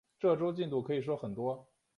这周进度可以说很多